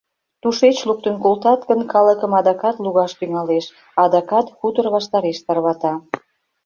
Тушеч луктын колтат гын, калыкым адакат лугаш тӱҥалеш, адакат хутор ваштареш тарвата.